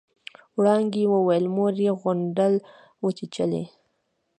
وړانګې وويل مور يې غونډل وچېچلې.